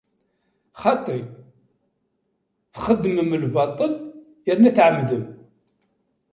Xaṭi! Txeddmem lbaṭel, yerna tɛemdem.